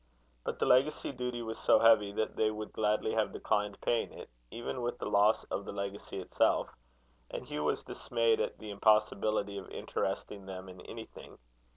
But the legacy duty was so heavy that they would gladly have declined paying it, even with the loss of the legacy itself; and Hugh was dismayed at the impossibility of interesting them in anything.